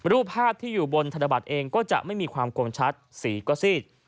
รูปภาพที่อยู่บนธนบัตรเองก็จะไม่มีความกลมชัดสีก็ซีด